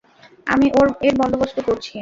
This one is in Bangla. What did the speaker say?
আমি এর বন্দোবস্ত করছি।